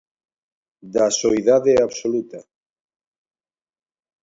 Da soidade absoluta.